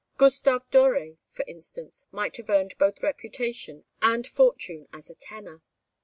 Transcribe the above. Gustave Doré, for instance, might have earned both reputation and fortune as a tenor.